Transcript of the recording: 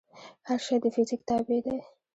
هر شی د فزیک تابع دی.